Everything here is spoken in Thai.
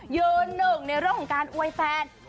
ยืนหนึ่งในเรื่องของการอวยแฟน